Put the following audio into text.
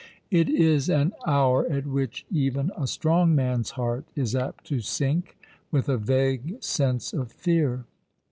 It is an hour at which even a strong man's heart is apt to sink with a vague sense of fear.